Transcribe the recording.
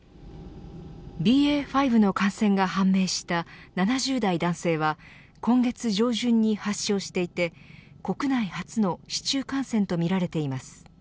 ＢＡ．５の感染が判明した７０代男性は今月上旬に発症していて国内初の市中感染とみられています。